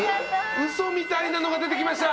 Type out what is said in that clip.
ウソみたいなのが出てきました。